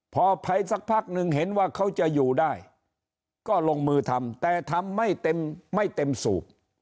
พอภัยสักพักนึงเห็นว่าเขาจะอยู่ได้ก็ลงมือทำแต่ทำไม่เต็มสูบ